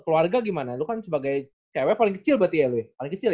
keluarga gimana lu kan sebagai cewek paling kecil berarti ya lu ya paling kecil ya